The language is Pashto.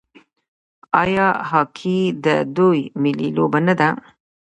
آیا هاکي د دوی ملي لوبه نه ده؟